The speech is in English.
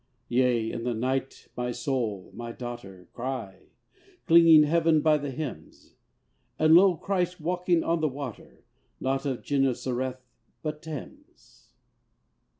Yea, in the night, my Soul, my daughter, Cry, clinging Heaven by the hems; And lo, Christ walking on the water, Not of Genesareth, but Thames!